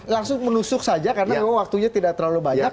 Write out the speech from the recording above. langsung menusuk saja karena memang waktunya tidak terlalu banyak